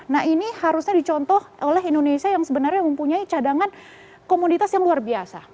nah ini harusnya dicontoh oleh indonesia yang sebenarnya mempunyai cadangan komoditas yang luar biasa